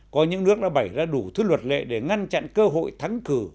có những nước đã bày ra đủ thứ luật lệ để ngăn chặn cơ hội thắng cử